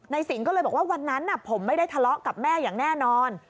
สิงห์ก็เลยบอกว่าวันนั้นผมไม่ได้ทะเลาะกับแม่อย่างแน่นอน